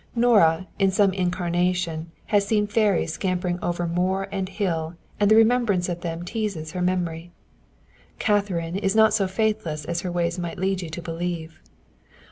Nora, in some incarnation, has seen fairies scampering over moor and hill and the remembrance of them teases her memory. Katherine is not so faithless as her ways might lead you to believe.